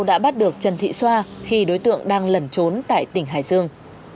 đã bắt được trần thị xoa khi đối tượng đang lẩn trốn tại tỉnh hải dương